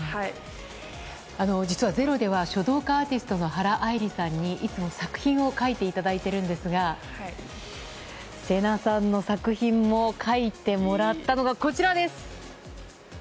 実は「ｚｅｒｏ」では書道家アーティストの原さんにいつも作品を書いていただいているんですが聖奈さんの作品も書いてもらったのがこちらです。